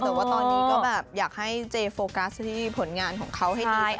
แต่ว่าตอนนี้ก็แบบอยากให้เจโฟกัสที่ผลงานของเขาให้ดี